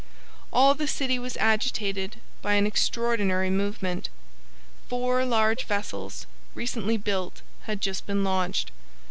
All the city was agitated by an extraordinary movement. Four large vessels, recently built, had just been launched.